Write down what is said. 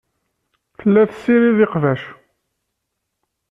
Tella tessirid iqbac.